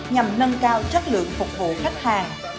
nhằm nâng cao chất lượng phục vụ khách hàng